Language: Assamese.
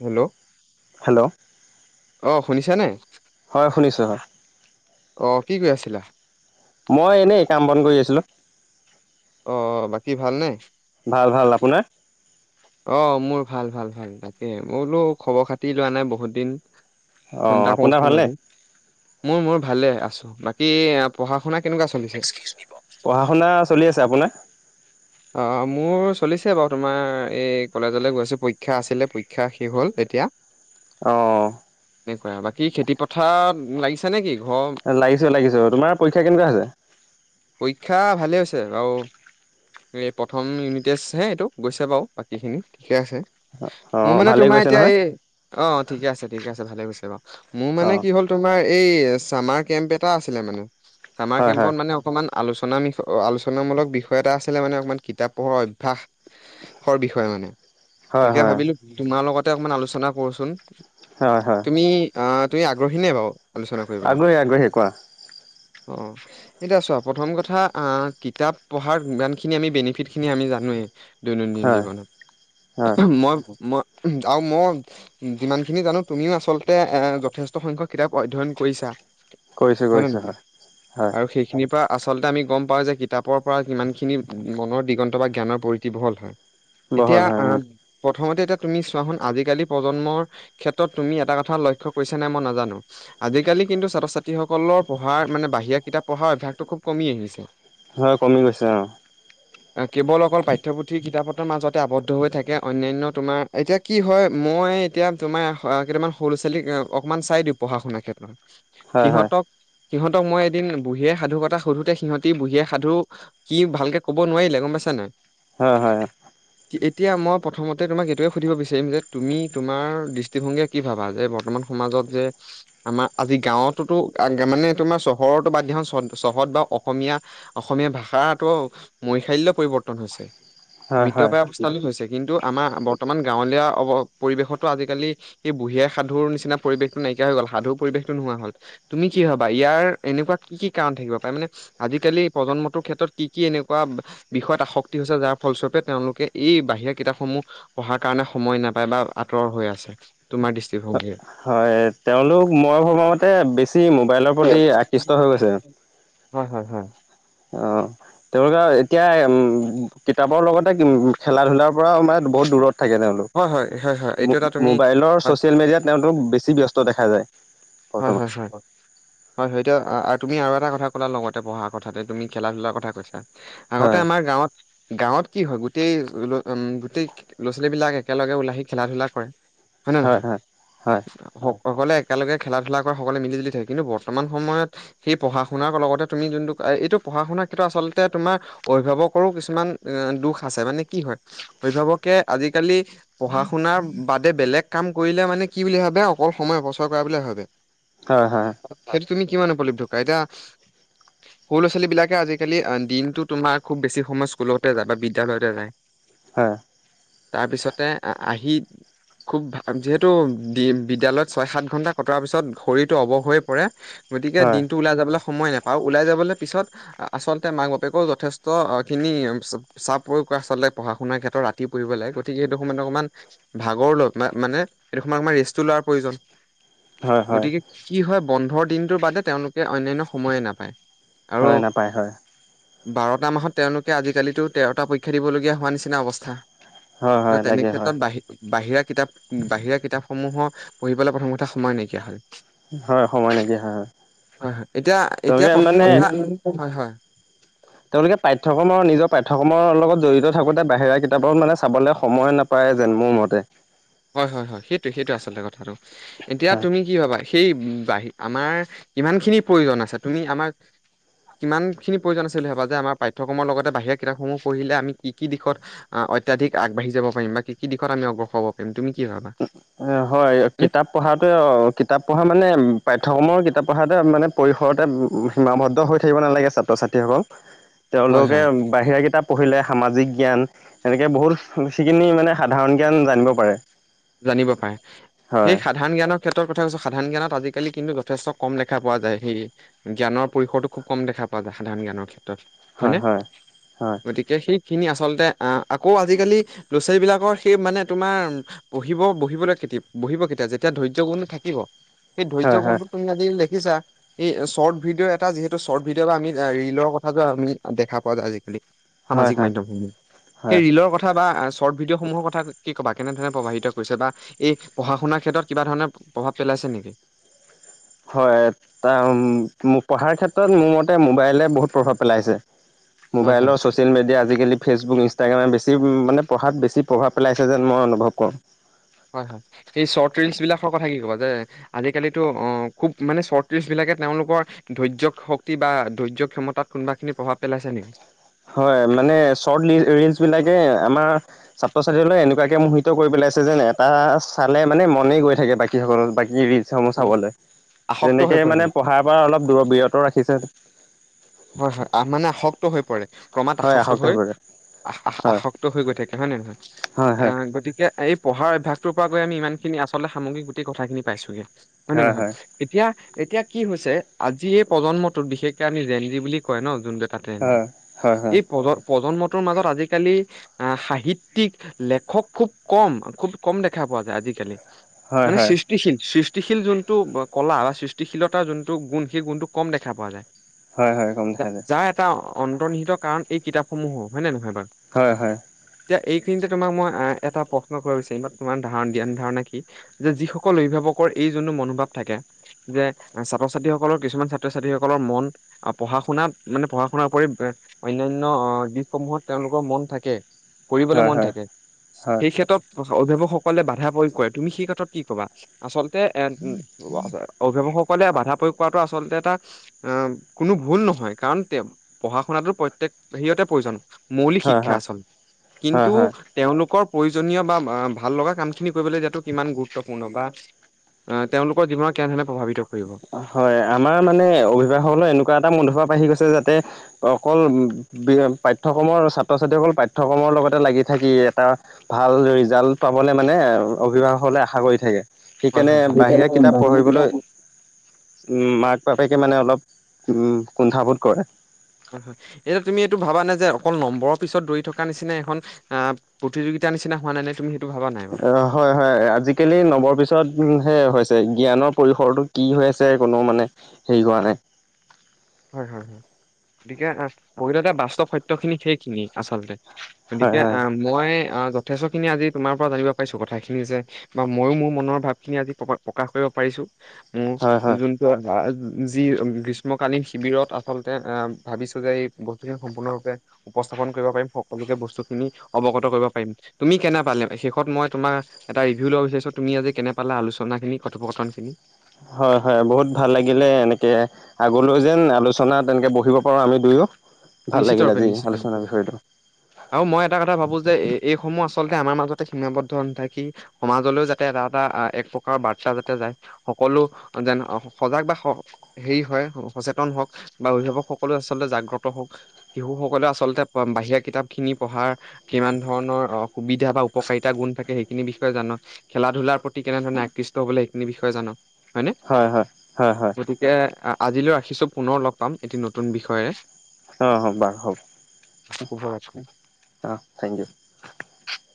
হেল্ল' হেল্ল' অ' শুনিছে নে? হয় শুনিছোঁ হয়। অ' কি কৰি আছিলা? মই এনেই কাম বন কৰি আছিলোঁ। অ' বাকী ভালনে? ভাল ভাল, আপোনাৰ? অঊ মোৰ ভাল ভাল ভাল, তাকে মই বোলো খবৰ খাতি লোৱা নাই বহুত দিন। ফোন অঁ এটা আপোনাৰ কৰোচোন ভালনে আজি মোৰ ম ভালে আছো, বাকী পঢ়া শুনা কেনেকুৱা চলিছে? পঢ়া শুনা চলি আছে, আপোনাৰ? অ' মোৰ চলিছে বাৰু, তোমাৰ এই কলেজলৈ গৈ আছো পৰীক্ষা আছিলে, পৰীক্ষা শেষ হল। এতিয়া অ'। এনেকুৱা, বাকী খেতি পথাৰ লাগিছা নে কি? ঘৰ লাগিছ লাগিছ। তোমাৰ পৰীক্ষা কেনেকুৱা আছে? পৰীক্ষা ভালে হৈছে বাৰু। প্ৰথম ইউনিত টেষ্ট হে এইটো গৈছে বাৰু বাকী খিনি ঠিকে আছে। অ'। মোৰ মানে তোমাৰ এতিয়া এই, অ' ঠিকে আছে ঠিকে আছে ভালে গৈছে বাৰু। মোৰ মানে অঁ কি হল তোমাৰ এই চামাৰ কেম্প এটা আছিলে মানে চামাৰ হয় হয় কেম্পত মানে অকমান আলোচনা বিয় আলোচনামূক বিষয় এটা আছিলে মানে অকণমান কিতাপ পঢ়াৰ অভ্যাস। হৰ বিষয় মানে হয় তাকে হয় ভাবিলো তোমাৰ লগতে অকনমান আলোচনা কৰোচোন। হয় হয় তুমি আহ তুমি আগ্ৰহী নে বাৰু? আলোচনা কৰিবলৈ? আগ্ৰহী আগ্ৰহী কোৱা। অ' এতিয়া চোৱা প্ৰথম কথা আহ কিতাপ পঢ়াৰ ইমান স খিনি আমি বেনিফিট খিনি আমি জানোৱেই, দৈনন্দিন হয় হয় জীৱনত। মই মই আৰু মই যিমান খিনি জানো তুমিও আচলতে এ যথেষ্ট সংখ্যক কিতাপ অধ্যয়ন কৰিছা। কৰিছোঁ হয় নে কৰিছোঁ নহয়? হয় আৰু সেইখিনিৰ পৰা আচলতে আমি গম পাওঁ যে কিতাপৰ পৰা কিমানখিনি মনৰ দিগন্ত বা জ্ঞানৰ প্ৰতিভ হয় বহল এতিয়া হয় আহ উম। প্ৰথমতে এতিয়া তুমি চোৱা শুন আজিকালি প্ৰজন্মৰ ক্ষেত্ৰত তুমি এটা কথা লক্ষ্য কৰিছা নে মই নাজানো। আজিকালি কিন্তু ছাত্ৰ ছাত্ৰীসকলৰ পঢ়াৰ, মানে বাহিৰা কিতাপ পঢ়াৰ অভ্যাসটো খুব কমি আহিছে। হয় কমি গৈছে অ'। কেৱল অকল পাঠ্যপুথিৰ কিতাপত মাজতে আৱদ্ধ হৈ থাকে অন্যনয় তোমাৰ এতিয়া কি হয় মই এতিয়া তোমাৰ কেইটামান সৰু ল'ৰা ছোৱালীক অকনমান চাই দিওঁ পঢ়া শুনাৰ ক্ষেত্ৰত হয় সিহঁতক সিহঁতক মই এদিন বুঢীয়ে সাধু কথা সুধোতে সিহঁতি বুঢীয়ে সাধু কি ভালকে ক'ব নোৱাৰিলে গম পাইছ নাই হয় হয় এতিয়া মই প্ৰথমতে তোমাক এইটোৱে সুধিব বিচাৰিম যে তুমি তোমাৰ দৃষ্টিভংগীয়ে কি ভাবা যে বৰ্তমান সমাজত যে আমাৰ আজি গাঁৱতোতো মানে তোমাৰ চহৰতো বাদ দো চহৰত বা অসম অসমীয়া অসমীয়া ভাষাটো মৈশাল্য পৰিৱৰ্তন হৈছে হয় হয় মৃতপায় অৱস্থালৈ হৈছে কিন্তু আমাৰ বৰ্তমান গাঁৱলীয়া অৱ পৰিৱেশতো আজিকালি স বুঢ়িয়াই সাধুৰ নিচিনা পৰিৱেশতো নাই হৈ গল সাধু পৰিৱেশটোো নোহোৱা হল তুমি কি হবা ইয়াৰ এনেকুৱা কি কাৰণ থাকিব পাৰে মানে আজালি প্ৰজন্মৰ ক্ষ্ৰত কি এনেুৱা বিষয়ত আসক্তি হৈছে যাৰ ফলস্বৰূপে তেওঁলোকে এই বাহিৰা কিতাপসমূহ পঢ়াৰ কাৰণে সময় নাই নাপায় বা আঁতৰ হৈ আছে তোমাৰ দৃষ্টিভংগীয়ে হয় তেওঁলোক মই ভবাামতে বেছি মোবাইলৰ প্ৰতি আকৃষ্ট হৈ গৈছে হয় হয় হয় অ'। তেওঁলোকে এতিয়া উম কিতাপৰ লগতে খেলা ধূলাৰ পৰাও মানে বহুত দূৰত থাকে হয় হয় হয় হয় এইটো তেওঁলোক এটা তুমি মোবাইলৰ হয় ছচিয়েল মিডিয়াত তেওঁলোক বেছি ব্যস্ত দেখা যায় হয় বৰ্তমান। হয় হয় হয় হয় এতিয়া তুমি আৰু এটা কথা ক'লা লগতে পঢ়াৰ কথাতে তুমি খেলা ধূলাৰ কথা কৈা আগতে হয়, আমাৰ গাঁৱত গাঁৱত কি হয় গোটেই উম গোটেই ল'ৰা ছোৱালী বিলাক একেলগে ওলাই আহি খেলা ধূলা কৰে হয় নে নহয় সকলে একেলগে খেলা ধূলা কৰা সকলে মিলি জুলি থাকে কিন্তু বৰ্তমান সময়ত সেই পঢ়া শুনাৰ লগতে তুমি যোনটো এইটো পঢ়া শুনা আচলতে তোমাৰ অভিভাৱকৰো কিছুমান দখ আছে মানে কি হয় অভিভাৱকে আজিকালি পঢ়া শুনাৰ বাদে বেলেগ কাম কৰিলে মানে কি বুলি ভাবে অকল সময় অপচয় কৰা বুলি ভাবে হ হ সেইটো তুমি কিমান পলপ ঢুকা এতিয়া সৰু ল'ৰা ছোৱালী বিলাকে আজিকালি দিনতটো তোমাৰ খুব বেছি সময় স্কুলতে যায় বা বিদ্য়ালয়তে যায় হয় তাৰপিছতে আহ আহি খুব ভাল যিহেতু বিদ্যয়ালয়ত ছয় সাত ঘন্টা কতোৱাৰ পিছত ভৰিটো অৱৰ হৈ পৰে গতিকে হয়, দিনটো ওলাই যাবলৈ সময় নাপাওঁ ওলাই যাবলৈ পিছত আচলতে মাক বাপেকেও যথেষ্ট খিনি চাপ প্ৰয়োগ কৰা আচলতে পঢ়া শুনাৰ ক্ষেত্ৰত ৰাতি পৰিব গতিকে সেইটো সময়ত অকমান ভাগৰ লগত মানে সেইটো সময়ত আাৰ ৰেষ্টটো লোৱাৰ প্ৰয়োজন হয় হয় গতিকে কি হয় বন্ধৰ দিনটোৰ বাদে তেওঁলোকে অন্যানয় সময়ে নাপায় আৰু হয় নাপায় হয় বাৰটা মাহত তেওঁলোকে আজিকালিতো তেৰটা পৰীক্ষা দিবলগীয়া হোৱা নিচিনা হয়, হয়, অৱস্থা তেনে লাগে হয়, ক্ষেত্ৰত বাহি বাহিৰা কিতাপ বাহিৰা কিতাপ সমূহৰ পঢ়িবলৈ প্ৰথম কথা সয় নেকিয় হাল হয়, সময় লাগে হয়, হয়, হয় হয় এতিয়া এতিয়া তেওঁলোকে প্ৰথম মানে কথা হয় হয় তেওঁলোকে পাঠ্্যক্ৰমৰ নিজৰ পাঠ্্যক্ৰমৰ লগত জড়িত থাকোতে বাহিৰা কিতাপত মানে চাবলৈ সময় নাপায় যেন মোৰ মতে হয় হয় হয় সেইটো সেইটো আচলতে কথাটো এতিয়া হয়, তুমি কি ভাবা সেই উম, বাহি-আমাৰ কিমান খিনি প্ৰয়োজন আছে, তুমি আমাক কিমান খিনি প্ৰয়োজন আছে বুলি ভাবা, যে আমাৰ পাঠ্যক্ৰমৰ লগতে বাহিৰা কিতাপসমূহ পঢ়িলে আমি কি-কি দিশত আ, অত্যাধিক আগবাঢ়ি যাব পাৰিম, বা কি-কি দিশত আমি অগ্ৰসৰ হব পাৰিম তুমি কি ভাবা?। এ, হয়, কিতাপ পঢ়াটো অ', কিতাপ পঢ়া মানে, পাঠ্যক্ৰমৰ কিতাপ কথাটে মানে, পৰিসৰতে সীমাবদ্ধ হৈ থাকিব নালাগে, ছাত্ৰ ছাত্ৰীসকল। হয় তেওঁলোকে হয় বাহিৰা কিতাপ পঢ়িলে সামাজিক জ্ঞান, এনেকে বহুত সিখিনি মানে সাধাৰণ জ্ঞান জানিব পাৰে। জানিব পাৰে। সেই হয় সাধাৰণ জ্ঞানক ক্ষেত্ৰত কথা কৈছো, সাধাৰণ জ্ঞানত আজিকালি কিন্তু যথেষ্ট কম দেখা পোৱা যায়, সেই জ্ঞানৰ পৰিসৰটো খুব কম দেখা [unintelligible] সাধাৰণত জ্ঞানৰ ক্ষেত্ৰত হয় হয়নে, হয় হয় গতিকে সেই খিনি আচলতে আ, আকৌ আজিকালি ল'ৰা ছোৱালী বিলাকৰ সেই মানে তোমাৰ বহিব-বহিবলৈ খেতিপ, বহিব কেতিয়া, যেতিয়া ধৈৰ্য্য গুণটো থাকিব। সেই ধৈৰ্য্য হয় হয় গুণটো তুমি আজি [unintelligible] দেখিছা, এই চৰ্ট ভিডিঅ' এটা যিহেতু চৰ্ট ভিডিঅ' বা আমি আ, ৰিলৰ কথাটো আমি দেখা পোৱা যায় আজিকালি। হয় সামাজিক হয় মাধ্যমসমূহ সেই হয় ৰিলৰ কথা বা আ, শ্বৰ্ট ভিডিঅ' সমূহৰ কথা, কি ক'বা, কেনেধৰণে প্ৰভাহিত ত কৈছে বা, এই পঢ়া শুনাৰ ক্ষেত্ৰত কিবা ধৰণে প্ৰভাৱ পেলাইছে নেকি? হয় তাম, মো-পঢ়াৰ ক্ষেত্ৰত মোৰ মতে মোবাইলে বহুত প্ৰভাৱ পেলাইছে। হয় হয়। মোবাইলৰ ছচিয়েল মিডিয়া আজিকালি ফেচবুক ইনষ্টাগ্ৰামে বেছি উম, মানে পঢ়াত বেছি প্ৰভাৱ পেলাইছে যেন মই অনুভৱ কৰোঁ। হয়-হয়, সেই চৰ্ট ৰিলচ বিলাকৰ কথা কি ক'বা, যে আজিকালিতো অ', খুব মানে চৰ্ট ৰিলচ বিলাক কে তেওঁলোকৰ ধৈৰ্য্য শক্তি বা ধৈৰ্য ক্ষমতাত কোনোবা খিনি প্ৰভাৱ পেলাইছে নেকি?। হয়, মানে চৰ্ট নি-ৰিলচ বিলাকে আমাৰ ছাত্ৰ ছাত্ৰীসকলএনেকুৱাকে মোহিত কৰিব পেলাই এছে যেন, এটা চালে মানে মনে গৈ থাকে বাকী সকল বাকী ৰিল। চামু চাবলে। আসক্ত হৈ তেনেকে পৰে মানে পঢ়াৰ পৰা অলপ দূৰ বিৰত ৰাখিছে। হয়-হয়। আহ, মানে আসক্ত হৈ পৰে। ক্ৰমাৎ আসক্ত হৈ, হয় আহ-আহ-আসক্ত হৈ গৈ থাকে হয় নে নহয়, হয় এ হয়। গতিকে এই পঢ়াৰ অভ্যাসটোৰ পৰা গৈ আমি ইমানখিনি, আচলতে সামগ্ৰিক গোটেই কথাখিনি পাইছোগে। হয় নয় নহয়, এতিয়া এতিয়া কি হৈছে আজি এই প্ৰজন্মটোত বিশেষকে আমি কি বুলি কয় ন যোন বোৰে কাটে ইহঁতক। হয় হয় এই প্ৰজ-প্ৰজন্মট ত মাজত আজিকালি আ, সাহিত্যিক লেখক খুব কম, খুব কম দেখা পোৱা যায় আজিকালি। হয় হয় মানে হয় সৃষ্টিশীল, সৃষ্ট সৃষ্টিশীল যোনটো ব-কলা, বা সৃষ্টিশীলতাৰ যোনটো গুণ, সেই গুণটো কম দেখা পোৱা যায়। হয় হয় কম দেখা যায়। যাৰ এটা অন্তৰ্নিহিত কাৰণ এই কিতাপসমূহো, হয় নে নহয়?। হয় হয়। তিয়া, এইখিনি তোমাক মই আ, এটা প্ৰশ্ন কৰিব বিচাৰিম, বা তোমাৰ ধাৰণ জ্ঞান ধাৰণা কি, যে যিসকল অভিভাৱক সকৰ এই যোনটো মনোভাৱ থাকে, যে ছাত্ৰ ছাত্ৰীসকলৰ কিছুমান ছাত্ৰ ছাত্ৰীসকলৰ মন আ, পঢ়া শুনাত, মানে পঢ়া শুনাৰ উপৰি এ, অনান্য অ', দিশসমূহত তেওঁলোকৰ মন থাকে কৰিবলে হয় মন হয় থাকে। হয় সেই ক্ষেত্ৰত বস্ত অভিভাৱকসকলে বাধা প্ৰয়োগ কৰে, তুমি সেই ক্ষেত্ৰত কি কবা?। আচলতে এ [inaudible] অভিভাৱক সক কলে বাধা প্ৰয়োগ কৰাটো আচলতে এটা অ', কোনো ভুল নহয়, কাৰণ তেও, পঢ়া শুনাটো প্ৰত্যেক হেইয়তে প্ৰয়োজন মৌলিক হয় শিক্ষা হয় আচল, হয় কিন্তু হয়। তেওঁলোকৰ প্ৰয়োজনীয় বা আ, ভাল লগা কামখিনি কৰিবলৈ দিয়াটো কিমান গুৰুত্বপূৰ্ণ বা অ', তেওঁলোকৰ জীৱনত কেনেধৰণে প্ৰভাৱিত কৰিব। হয়, আমাৰ মানে, অভিভাসকল এনে কুৱা এটা মূধভাৱ আহি গৈছে যাতে, অকল বিহ-পাঠ্যক্ৰমৰ ছাত্ৰ-ছাত্ৰীসকল পাঠ্যক্ৰমৰ লগতে লাগি থাকি এটা ভাল ৰিজাল্ট পাবলে মানে, অভিভাৱসকলে আশা কৰি থাকে। হয় সেইকাৰণে হয় হয় বাহিৰা কিতাপ হয় পঢ়িবলৈ উম, মাক বাপেকে মানে অলপ, উম, কুন্ঠাবোধ কৰে। হয়, হয়, এতিয়া তুমি এইটো ভাবা নে, যে অকল নম্বৰৰ পিছত দৌৰি থকা নিচিনা এখন আ, প্ৰতিযোগিত তাৰ নিচিনা হোৱা নাই নে তুম অ', হয়, হয় আজিকালি নৱৰ পিছত হে ছে জ্ঞানৰ পৰিসৰটো কি হৈ আছে কোনো মানে হেৰি কৰা নাই। হয়, হয়, হয়, গতিকে প্ৰকৃততে বাস্তৱ সত্যখিনি সেইখিনি আচলতে। হয় গতিকে হয় অ', মই অ', যথেষ্টখিনি আজি তোমাৰ পৰা জানিব পাৰিছোঁ কথাখিনি যে বা ময়ো মোৰ মনৰ ভাবখিনি আজি প প্ৰকাশ কৰিব পাৰিছোঁ, মোৰ হয় হয় যোনটো আ, অ', গ্ৰীষ্ম কালিন শিবিৰত আচলতে অ', ভাবিছো যে এই বস্তুখিনি সম্পূৰ্ণৰূপে উপস্থাপন কৰিব পাৰিম, সকলোকে বস্তু খিনি অৱগত কৰিব পাৰিম তুমি কেনে পালে শেষত মই তোমাৰ এটা ৰিভিউ ল'ব বিচাৰিছো তুমি আজি। কেনে পালে আলোচনা খিনি কথোপকথন খিনি। হয় -হয় বহুত ভাল লাগিলে এনেকে আগলৈ যেন আলোচনা তেনেকে বহিব পাৰো আমি দুয়ো। ভাল নিশ্চিত লাগিল ৰূপে আজি নিশ্চিত আলোচনাৰ বিষয়টো আৰু মই এটা কথা ভাবো যে এইসমূহ আচল। আচলতে আমাৰ মাজতে সীমাবদ্ধ নথাক কি সমাজলৈও যাতে এটা এটা এক প্ৰকাৰ বাৰ্তা যাতে যায়। সকলো যেন সজাগ বা হেৰি হয় সচেতন হওক বা অভিভাৱক সকললে আচলতে জাগ্ৰত শিশুসকলেও আচলতে বাহিৰা কিতাপ খিনি পঢ়াৰ কিমান ধৰণৰ সুবিধা বা। উপকাৰিতা গুণ থাকে সেইখিনি বিষয়ে জানক খেলা ধূলাৰ প্ৰতি কেনে ধৰণে আকৃষ্ট হবলে সেইখিনি বিষয়ে জনা হয়নে হয় হয় হয় হয় গতিকে আজিলৈ ৰাখিছো পুনৰ লগ পাম এটি নতুন বিষয়েৰে। অ' হ বাৰু হ'ব অ শুভৰাত্ৰি অ 'থেংক ইউ